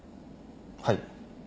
はい。